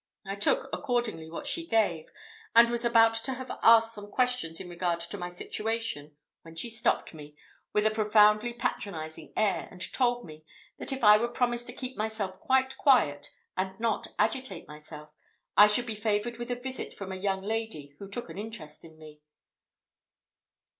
I took, accordingly, what she gave, and was about to have asked some questions in regard to my situation, when she stopped me, with a profoundly patronising air, and told me, that if I would promise to keep myself quite quiet, and not agitate myself, I should be favoured with a visit from a young lady who took an interest in me.